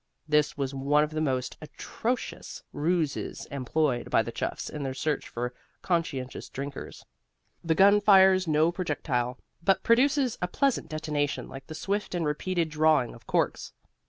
This was one of the most atrocious ruses employed by the chuffs in their search for conscientious drinkers. The gun fires no projectile, but produces a pleasant detonation like the swift and repeated drawing of corks.